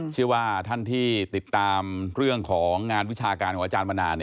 เชื่อว่าท่านที่ติดตามเรื่องของงานวิชาการของอาจารย์มนา